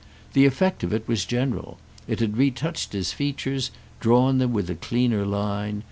The effect of it was general—it had retouched his features, drawn them with a cleaner line.